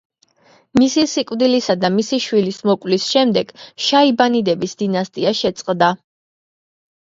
მისი სიკვდილსა და მისი შვილის მოკვლის შემდეგ შაიბანიდების დინასტია შეწყდა.